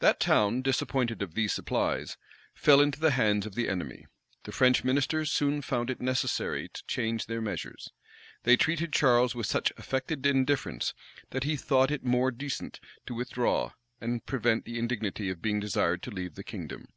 That town, disappointed of these supplies, fell into the hands of the enemy. The French ministers soon found it necessary to change their measures. They treated Charles with such affected indifference, that he thought it more decent to withdraw, and prevent the indignity of being desired to leave the kingdom.